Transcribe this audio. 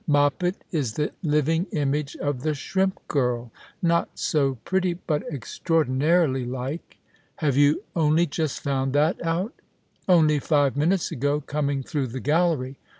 " Moppet is the living image of the Shrimp Girl — not so pretty, but extraordinarily like." " Have you only just found that out ?"" Only five minutes ago, coming through the gallery."